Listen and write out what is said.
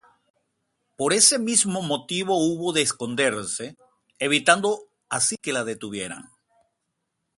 Por ese mismo motivo hubo de esconderse, evitando así que la detuvieran.